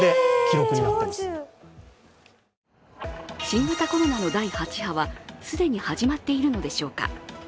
新型コロナの第８波は既に始まっているのでしょうか。